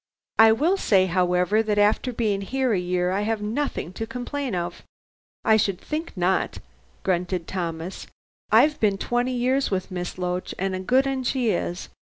"I will say, however, that after being here a year, I have nothing to complain of." "I should think not," grunted Thomas. "I've been twenty years with Miss Loach, and a good 'un she is.